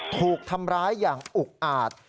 ถูกทำร้ายอย่างอุกอาจ